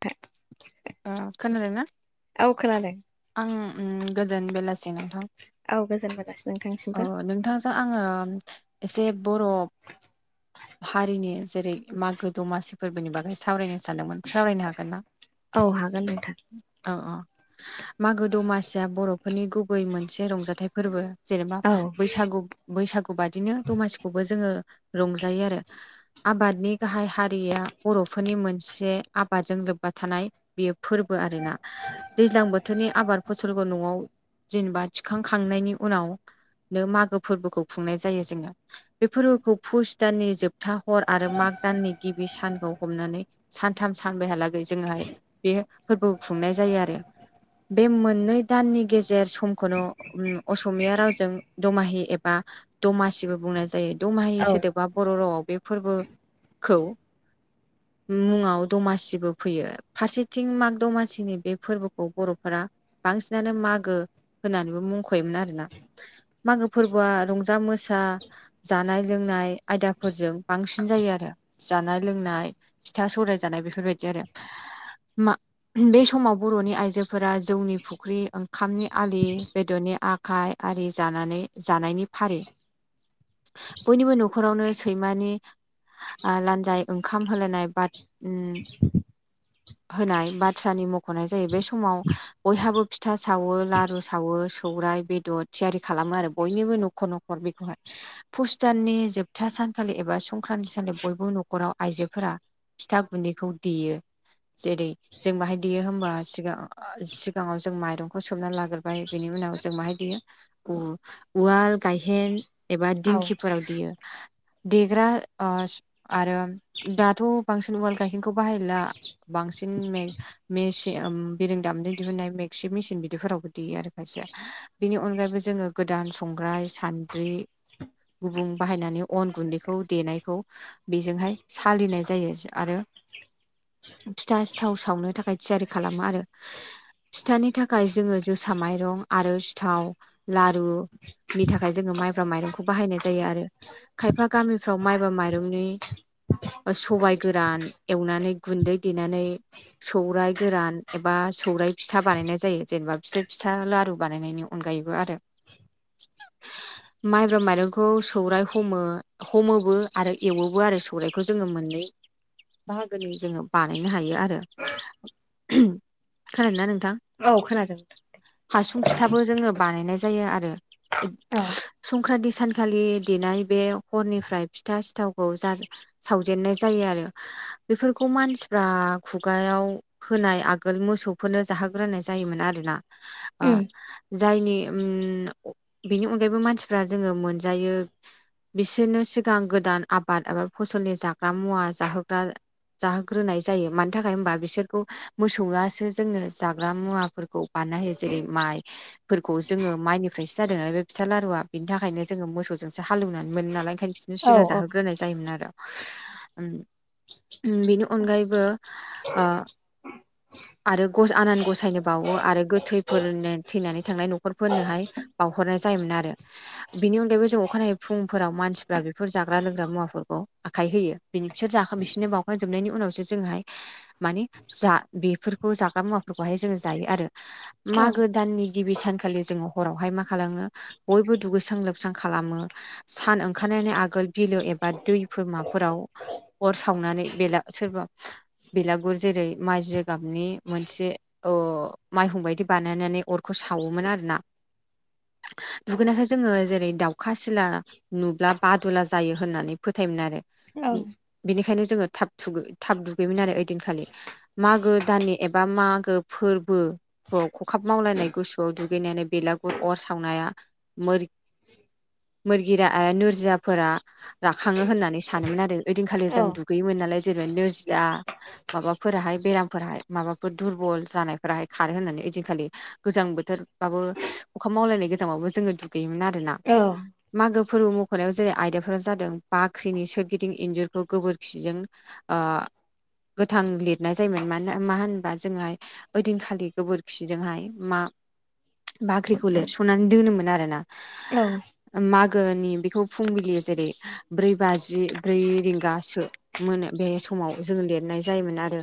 थें खोनादों ना आं गोजोन बेलासि नोंथां औ गोजोन बेलासि नोंथांसिमबो नोंथांजों आङो एसे बर' हारिनि जेरै मागो दमासि फोरबोनि बागै सावरायनो सानदोंमोन सावरायनो हागोन ना औ हागोन नोंथां औ औ मागो दमासिया बर'फोरनि गुबै मोनसे रंजाथाइ फोरबो जेनेबा औ बैसागु बैसागु बादिनो दमासिखौबो जोङो रंजायो आरो आबादनि गाहाय हारिया बर' फोनि मोनसे आबादजों लोब्बा थानाय बेयो फोरबो आरोना। दैज्लां बोथोरनि आबाद फसलखौ न'आव जेनेबा थिखांखांनायनि उनाव नो मागो फोरबोखौ खुंनाय जायो जोङो। बे फोरबोखौ फुस दाननि जोबथा हर आरो माग दाननि गिबि सानखौ हमनानै सान थाम सानबै हालागै जोंहाय बे फोरबो खुंनाय जायो आरो। बे मोननै दाननि गेजेर समख'नो उम असमिया रावजों दमाहि एबा दमासिबो बुंनाय जायो। दमाहि औ सोदोबा बर' रावआव बे फोरबोखौ मुङाव दमासिबो फैयो। फारसेथिं माग दमासिनि बे फोरबोखौ बर'फोरा बांसिनानो मा मागो होननानैबो मुंख'योमोन आरोना। मागो फोरबोआ रंजा मोसा जानाय लोंनाय आयदाफोरजों बांसिन जायो आरो। जानाय लोंनाय फिथा सौराय जानाय बेफोरबायदि आरो। मा बे समाव बर'नि आइजोफोरा जौनि फुख्रि ओंखामनि आलि बेदरनि आखाइ आरि जानानै जानायनि फारि। बयनिबो न'खरावनो सैमानि आ लान्जाय ओंखाम होलायनाय बाद उम होनाय बाथ्रानि मख'नाय जायो। बे समाव बयहाबो फिथा सावो, लारु सावो, सौरा आइ बेदद थियारि खालामो आरो बयनिबो न'खर न'खर बेखौहाय। पुष दान्नि जोबथा सानखालि एबा संक्रान्ति सानि बयबो न'खराव आइजोफोरा फिथा गुन्दैखौ देयो। जेरै जों बाहाय देयो होमबा सिगां आ सिगाङाव जों माइरंखौ सोमना लाग्रोबाय। बेनि उनाव जों माहाय देयो? उ उवाल गायहेन एबा औ दिंखिफोराव देयो। देग्रा अस आरो दाथ' बांसिन उवाल गाइहेखौ बाहायला। बांसिन मे मेसे ओम बिरों दामिनदो दिहुननाय मे क्सि मिसिन बिदिफोरावबो देयो आरो खायसे। बिनि अनगायैबो जोङो गोदान संग्राय सान्द्रि गुबुं बाहायनानै अन गुन्दैखौ देनायखौ बेजोंहाय सालिनाय जायो। आरो फिथा सिथाव सावनो थाखाय थियारि खालामो आरो। फिथानि थाखाय जोङो जोसा माइरं आरो सिथाव लारु नि थाखाय जोङो माइब्रा माइरंखौ बाहायनाय जायो आरो। खायफा गामिफ्राव माइबा माइरंनि ओ सबाय गोरान एवनानै गुन्दै देनानै सौराइ गोरान एबा सौराइ फिथा बानायनाय जायो जेनेबा फिथि फिथा लारु बानायनायनि अनगा। गायबो आरो। माइब्रा माइरंखौ सौराइ हमो हमोबो आरो एवोबो आरो सौराइखौ जों [unintelligible] बाहागोनि जोङो बानायनो हायो आरो। खोनादों ना नों थां औ खोनादों हासुं फिथाबो जोङो बानायनाय जायो आरो। औ संक्रान्ति सानखालि देनाय बे हरनिफ्राय फिथा सिथावखौ जार सावजेननाय जायो आरो। [inaudible] बेफोरखौ मानसिफ्रा खुगायाव होनाय आगोल मोसौफोरनो जाहोग्रोनाय जायोमोन आरोना। आ उम जायनि उम बेनि अनगायैबो मानसिफ्रा जोङो मोनजायो बिसोरनो सिगां गोदान आबाद एबा फसलनि जाग्रा मुवा जाहोग्रा जाहोग्रोनाय जायो। मानि थाखाय होमबा बिसोरखौ मोसौआसो जोङो जाग्रा मुवाफोरखौ बान ना होयो। जेरै माइ फोरखौ जोङो माइनिफ्रायसो जादों नालाय बे फिथा लारुआ बिनि थाखायनो जोङो मोसौजों सो हालौनानै मोनो नालाय ओंखायनो बिसोरनो औ सिगां जाहोग्रोनाय जायोमोन आरो। ओम उम बिनि अनगायैबो आ आरो गज आनान गसायनो बावो आरो गोथैफोरनो थैनानै थांनाय न'खरफोरनोहाय बावहरनाय जायोमोन आरो। बिनि अनगायैबो जों अखानायै फुंफोराव मानसिफ्रा बेफोर जाग्रा लोंग्रा मुवाफोरखौ आखाय होयो बिनि बिसोर जाखां बिसोनो बावखांजोबनायनि उनावसो जोंहाय मानि जा बेफोरखौ जाग्रा मुवाफोरखौहाय जायो आरो औ मागो दाननि गिबि सानखालि जोङो हरावहाय मा खालामनो बयबो दु बोस्रां लोबस्रां खालामो सान ओंखारनायनि आगोल बिलो एबा दैफोरमाफोराव अर सावनानै बेला सोरबा बेलागुर जेरै माइ गाबनि मोनसे माइहंबायदि बानायनानै अरखौ सावोमोन आरोना दुगैनायखौ जोङो जेरै दाउखा सिला नुब्ला बादुला जायो होननानै फोथायोमोन आरो औ। बेनिखायनो जोङो थाब थुब थाब दुगैयोन आरो ओइदिनखालि मागो दाननि एबा मागो फोर बो खखाब मावलायनाय गुसुआव दुगैनानै बेलागुर अर सावनाया मोर मोरगिरा आरो नोरजियाफोरा राखाङो होननानै सानोमोन आरो ओ आ खालि औ जों दुगैयोमोन नालाय जेनैबा नोरजिया माबाफोराहाय बेरामफोराहाय माबाफोर दुरबल जानायफोराहाय खारो होननानैओदिनखालि गोजां बोथोरबाबो अखा मावलायनाय गोजांबाबो जोङो दुगैयोमोन आरो मागो फोरबो मख'नायाव जेरै आयदाफोरा जादों बाख्रिनि सोरगिदिं इन्जुर बेखौ गोबोरखिजों ओ गोथां लिरनाय जायोमोन मान मा होनबा जोंहाय ओदिनखालि गोबोरखिजोंहाय मा बाख्रिखौ लिरस'नानै दोनोमोन आरोना औ। नि बेखौ फुंबिलि जेरै ब्रै बाजि बि गासो मोनो बे समाव जों लिरनाय जायोमोन आरो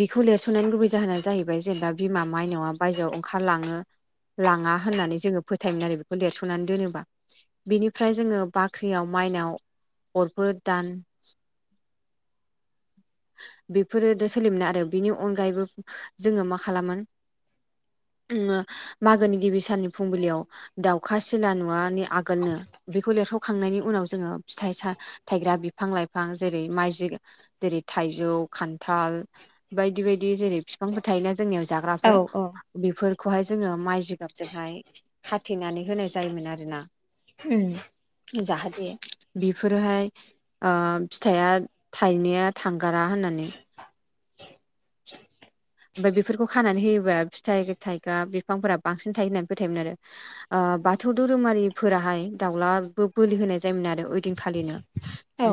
बिखौ लिरस'नायनि गुबै जाहोना जाहैबाय जेनेबा बिमा माइनावआ बायजोआव ओंखारलाङो लाङा होननानै जोङो फोथायोमोन आरो बेखौ लेरस'नानै दोनोबा बेनिफ्राय जोङो बाख्रियाव मा माइनाव अरफोर दान बेफोरो दा सोलिमोन आरो बिनि अनगायैबो जोङो मा खालामो [unintelligible] मागोनि गिबि साननि फुंबिलियाव दाउखा सिला नुवानि आगोलनो बेखौ बेेर'खांनायनि उनाव जोङो फिथाइ थाइग्रा बिफां लाइफां जेरै माइज जेरै थाइजौ खान्थाल बायदि बायदि जेरै बिफांफोर थायोना जोंनियाव औ जाग्राफोर उम बेफोर खौहाय जोङो माइ जिगाबजोंहाय खाथेनानै होनाय जायोमोन आरोना उम जाहाथे बेफोरहाय ओ फिथाइया थाइनाया थांगारा होननानै ओमफ्राय बेफोरखौ खानानै होयोबा फिथाइ थायग्रा बिफांफोरा बांसिन थायो होननानै फोथायोमोन आरो बाथौ धोरोमारिफोराहाय दाउलाबो बोलि होनाय जायोमोन आरो ओइदिंखालिनो। औ।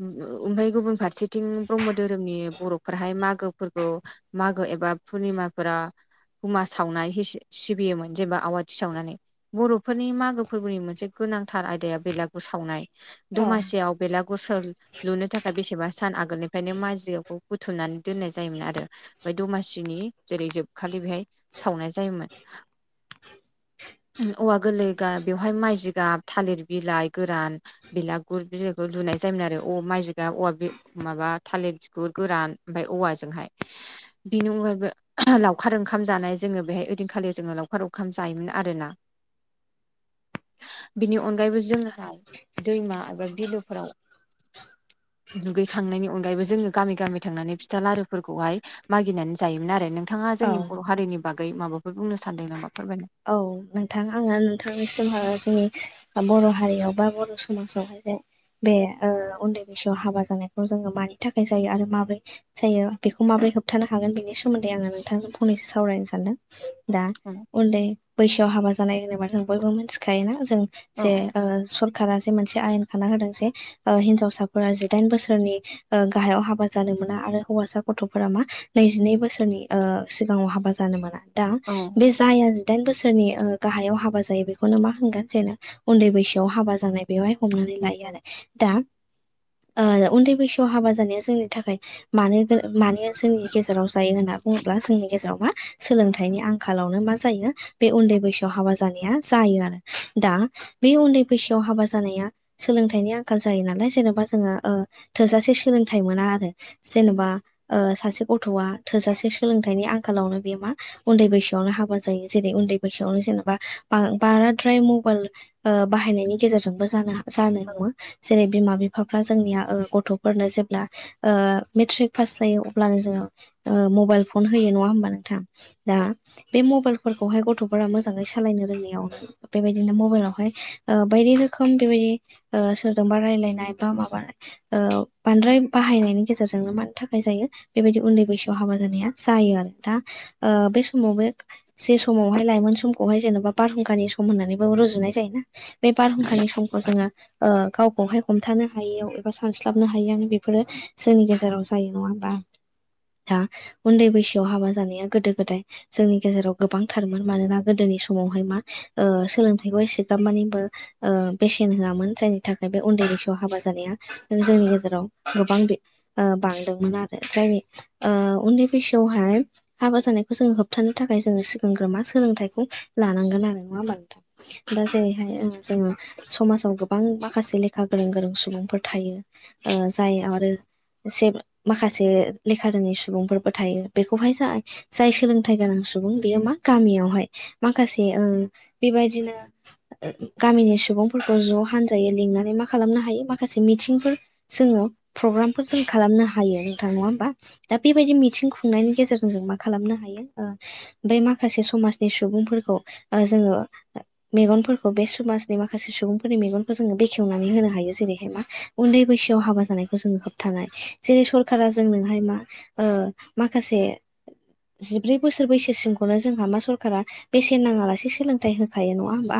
ओमफफ्राय गुबुन फारसेथिं ब्रह्म धोरोमनि बर'फोराहाय मागोफोरखौ मागो एबा पुर्निमाफोरा हुमा सावनानै सिबियोमोन जेनेबा आवाथि सावनानै बर'फोरनि मागो फोरबोनि मोनसे गोनांथार आयदाया बेलागुर सावनाय औ दमासियाव बेलागुरस लुनो थाखाय बेसेबा सान आ आगोलनिफ्रायनो माजिखौ बुथुमनानै दोननाय जायोमोन आरो माय दमासिनि जेरै जोबखालि बेहाय सावनाय जायोमोन। औवा गोरलै गा बेवहाय माइ जि गाब थालिर बिलाइ गोरान बिलागुर बिलायखौ लु नाय जायोमोन आरो औ माइजगा औवा माबा थालिर बिगुर गोरान ओमफ्राय औवाजोंहाय बिनि अनगायैबो लावखार ओंखाम जानाय जोङो बेहाय ओइैनखालि जोङो लावखार ओंखाम जायोमोन आरोना। [unintelligible] बिनि अनगायैबो जोंहाय दैमा एबा बिलोफोराव दुगैखांनायनि अनगायैबो जोङो गामि गामि थांनानै फिथा लारुफोरखौहाय मागिनानै जायोमोन आरो नोंथाङा औ जोंनि बर' हारिनि बागै माबाफोर बुंनो सानदों नामा? फोरमायनो औ नोंथां आङो नोंथांनिसिमहा जोंनि बर' हारियाव बा बर' समाजावहाय जों बे उन्दै बैसोआव हाबा जानायखौ जोङो मानि थाखाय जायो आरो माबोरै जायो बेखौ माबोरै होबथानो हागोन बेनि सोमोन्दै आङो नोंथांजों फंनैसो सावरायनो सानदों। दा औ उन्दै बैसोआव हाबा जानाय होनोबा जों बयबो मिथिखायोना? जे औ ओ स आ मोनसे आयेन खाना होदों जे हिनजावसाफोरा जिदाइन बोसोरनि गाहायाव हाबा जानो मोना आरो हौवासा गथ'फोरा मा नैजिनै बोसोरनि ओ सिगाङाव हाबा जानो मोना। दा औ बे जाया दाइन बोसोरनि ओ गाहायाव हाबा जायो बेखौनो मा होनगोन जेननो उन्दै बैसोआव हाबा जानाय बेवहाय हमनानै लायो आरो दा उन्दै बैसोआव हाबा जानाया जोंनि थाखाय मानो मान जोंनि गेजेराव जायो होन्ना बुङोब्ला जोंनि गेजेराव मा? सोलोंथाइनि आंखालावनो मा जायो? बे उन्दै बैसोआव हाबा जानाया जायो आरो दा बे उन्दै बैसोआव हाबा जानाया सोलोंथाइनि आंखाल जायो नालाय जेनेबा जोङो ओ थोजासे सोलोंथाइ मोना आरो जेनेबा ओ सासे गथ'आ थोजासे सोलोंथाइनि आंखालावनो बे मा उन्दै बैसोआवनो हाबा जायो। जेरै उन्दै बैसोआवनो जेनेबा ओ बाराद्राय मबाइल बाहायनायनि गेजेरजोंबो जानो हाग जानो नो जेरै बिमा बिफाफ्रा जोंनिया ओ गथ'फोरनो जेब्ला ओ मेट्रिक पास जायो अ्लानो जोङो ओ मबाइल फन होयो नङा नङा होनबा नोंथां दा बे मबाइला फोरखौहाय गथ'फोरा मोजाङै सालायनो रोंनायाव बेबायदिनो मबाइलावहाय ओ बायदि रोखोम बेबायदि ओ सोरजोंबा रायलायनाय बा माब ओ बांद्राय बाहायनायनि गेजेरजोंनो मानो थाखाय जायो बेबायदि उन्दै बैसोआव हाबा जानाया जायो आरो दा बे समावबो ज समावहाय लाइमोन समखौहाय जेनेबा बारहुंखानि सम होननानैबो रुजुनाय जायो ना? बे बारहुंखानि समखौ जोङो ओ गावखौहाय हमथानो हायियाव एबा सानस्लाबनो हायिआवनो बेफोरो जोंनि गेजेराव जायो नङा होनबा? [inaudible] दा उन्दै बैसोआव हाबा जानाया गोदो गोदाय जोंनि गेजेराव गोबांथारमोन मानोना गोदोनि समावहाय मा ओ सोलोंथाइखौ एसेब मानि ओ बेसेन होआमोन जायनि थाखाय बे उन्दै बैसोआव हाबा जानाया जोंनि गेजेराव गोबां ओ बां आरो जाय ओ उन्दै बैसोआवहाय हाबा जानायखौ जोंङो होबथानो थाखाय जो सिगांग्रोमा सोलोंथाइखौ लानांगोन आरो नङा होमबा नोंथां दा जेरैहाय जोङो समाजाव गोबां माखासे लेखा गोरों गोरों सुबुंफोर थायो जाय आरो से माखासे लेखा रोङै सुबुंफोरबो थायो बेखौहाय जाय सोलोंथाइ गोनां सुबुं सुबुं बे म गामियावहाय माखसे बेबायदिनो गनि सुबुं सुबुंफोरखौ ज' हानजायो लिंनानै मा खालामनो हायो माखासे मिथिंफोर जोङो प्रग्रामफोर जों खालामनो हायो नोंथां नङा होमबा दा बेबायदि मिथिं खुंनायनि गेजेरजों जों मा खालामनो हायो ओ बे माखासे समाजनि सुबुंफोरखौ जोङो मेगनफोरखौ बे समाजनि माखासे सुबुंफोरनि मेगनखौ जोङो बेखेवनानै होनो हायो जेरैहाय मा उन्दै बैसोआव हाबा जानायखौ जोङो होबथानो जेरै सखारा जोंनोहाय मा ओ माखसे बोसोर बसोरसिमखौनो जोंहा मा सरकारा बेसेन नाङालासे सोलोंथाइ होखायो नङा होनबा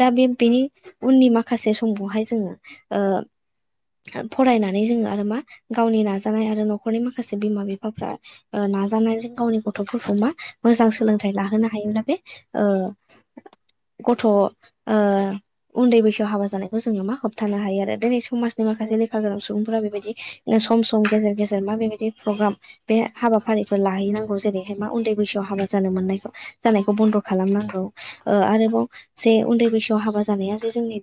दा बे बेनि उननि माखासे समखौहाय जोङो ओ फरायनानै जोङो आरो मा गावनि नाजानाय आरो न'खरनि माखासे बिमा बिफाफ्रा ओ नाजा नायजों गावनि गथ'फोरखौ मा मोजां सोलोंथाइ लाहोनो हायोब्ला बे ओ गथ' ओ उन्दै बैसोआव हाबा जानायखौ जोङो मा होबथानो हायो आरो दिनै समाज माखासे औ लेखा गोरा सुबुंफोरा बेबायदि सम सम गेजेर गेजेर मा बेबायदि प्रग्राम बे हाबाफारिफोर लाहैनांगौ जेरै न्दै बैसोआव हाबा जानो जानायखौ बन्द' खालामनांगौ ओ आरोबाव जे उन बैसोआव हाबा जानाया जे जोंनि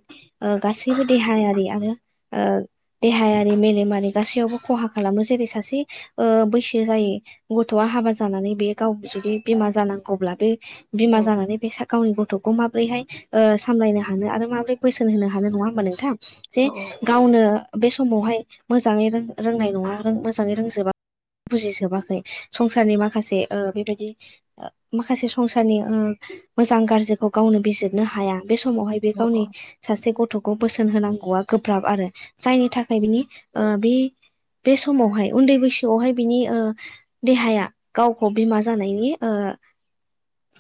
ओ गासैबो देहायारि आरो देहायारि मेलेम गासैबो खहा खालामो जेरै सासे ओ बैसो जायो गथ'आ हाबा जा जानानै बे गाव जुदि बिमा जानांगौब्ला बेमा जानानै बे गावनि गथ' खौ माबोरैहाय सामलायनो हानो आरो माबोरै बोसोन होनो हानाय नङा होमबा नोंथां? जे औ गावनो बे समावहाय मोजाङै रों रोंनाय नङा मोजाङै रोंजोबा बुजिसोबाखै संसारनि माखासे माखासे बेबायदि माखासे संसारनि मोजां गाज्रिखौ गावनो बिजिरनो हाया बे समावहाय बे औ गावनि औ सासे गथ'खौ बोसोन होनांगौआ गोब्राब आरो जायनि थाखाय बिनि बे बे समावहाय उन्दै बैसोआवहाय बिनि देहाया गावखौ बिमा जानायनि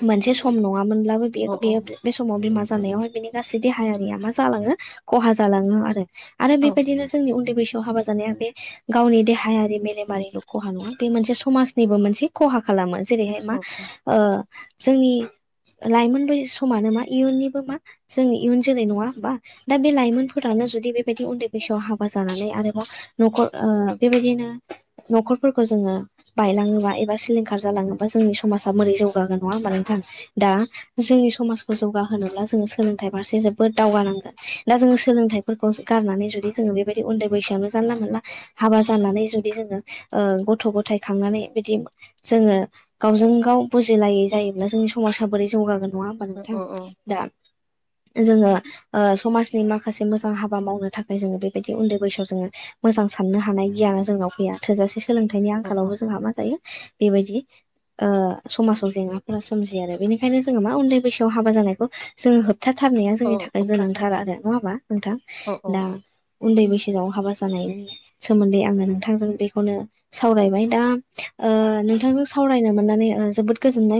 मोनसे सम न नङामोनब्लाबो औ औ बे समाव बिमा जानायावहाय बिनि गासै देहायारिया मा जालाङो खहा जालाङो आरो आरो औ बेबायदिनो जोंनि उन्दै बैसोआव हाबा जा बे गावनि देहायारि मेलेमारिल' खहा नङा बे मोनसे समाजनिबो मोनसे खहा खालामो। जेरैहाय औ मा ओ जोंनि लाइमोन ब समानो मा इयुननिबो मा जोंनि इयुन जोलै नङा होमबा? दा बे लइमोनफोरानो जु बेबायदि उन्दै बैसोआव हाबा जानानै आरोबा न'खर बेबायदिनो न'खरफोरखौ जोङो बायलाङोबा एबा सिलिंखार जालाङोबा जोंनि समाजा मोरै जौगागोन नङा होमबा नोंथां? दा जोंनि समाजखौ जौगााहोनोब्ला जोङो सोलोंथाइ फारसे जोबोद दावगानांगोन दा जोङो सोलोंथाइफोरखौ गारनानै ज ज बेबायदि उन्दै बैसोआवनो जानला मोनला हाबा जानानै जुदि जोङो गथ' गथाय थांनानै बिदि जोङो गावजों गाव बुजिलायै जायो। ब्ला जोंनि समाजा बोरै जौगागोन नङा होमबा औ नोंथां औ दा जोङो समाजनि माखासे मोजां हाबा मावनो थाखाय जोङो बेबायदि उन्दै बैसोआव जोङो मोजां आं साननो हानाय गियाना जोंनाव फैया थोजासे सोलोंथाइनि औ आंखालावबो जोंहा मा थायो बेबायदि समाजाव जेंनाफोरा सोमजियो आरो बेनिखायनो जोङो मा उन्दै बैसोआव हाबा जानायखौ जोङो होब खिथाथारनाया औ जोंनि थाखाय होबथा सान गोनांथार आरो नङा होमबा नोंथां? औ औ दा उन्दै बैसोआव हाबा जायनि सोमोन्दै आङो नोंथांजों बेखौनो सावरायबाय दा नोंथांजों सावरायनो मोननानै जोबोद गोजोननाय मोन